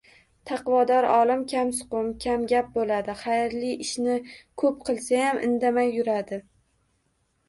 Taqvodor olim kamsuqum, kamgap bo‘ladi, xayrli ishni ko‘p qilsayam indamay yuradi